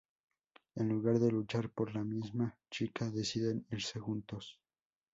En lugar de luchar por la misma chica, deciden irse juntos.